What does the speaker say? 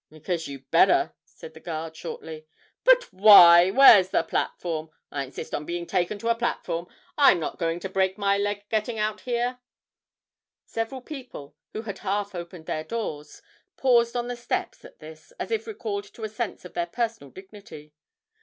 'Because you'd better,' said the guard, shortly. 'But why where's the platform? I insist on being taken to a platform I'm not going to break my leg getting out here.' Several people, who had half opened their doors, paused on the steps at this, as if recalled to a sense of their personal dignity.